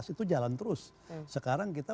itu jalan terus sekarang kita